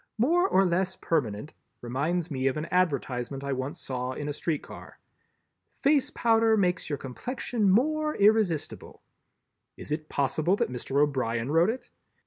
"More or less permanent" reminds me of an advertisement I once saw in a street car: "Face Powder makes your complexion more irresistible." Is it possible that Mr. O'Brien wrote it?